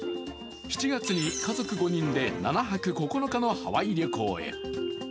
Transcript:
７月に家族５人で７泊９日のハワイ旅行へ。